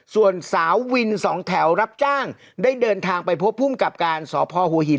ส่วนสาววินสองแถวรับจ้างได้เดินทางไปพบภูมิกับการสพหัวหิน